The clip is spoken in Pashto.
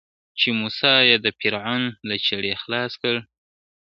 چې موسی یې د فرعون له چړې خلاص کړ